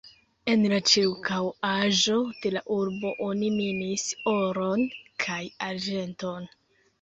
En la ĉirkaŭaĵo de la urbo oni minis oron kaj arĝenton.